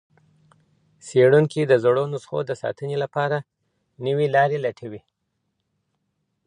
څېړونکي د زړو نسخو د ساتني له پاره تل نوي لارې چاري لټوي.